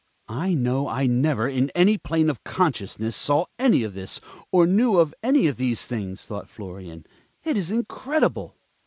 "I know I never, in any plane of consciousness, saw any of this, or knew any of these things," thought Florian. "It is incredible!"